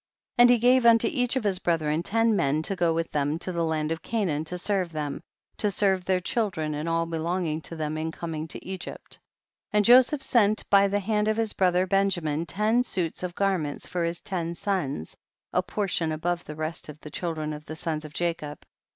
81. And he gave unto each of his brethren ten men to go with them to the land of Canaan to serve them, to serve their children and all belonjrinjr to them m connng to Egypt. 82. And Joseph sent by the hand of his brother Benjamin ten suits of garments for his ten sons, a portion above the rest of the children of the sons of Jacob.